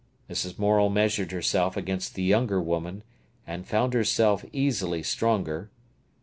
Mrs. Morel measured herself against the younger woman, and found herself easily stronger.